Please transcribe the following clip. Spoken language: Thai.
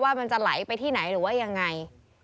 มันจะไหลไปที่ไหนหรือว่ายังไง